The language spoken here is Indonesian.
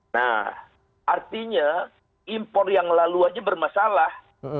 nah artinya impor yang lalu saja bermasalah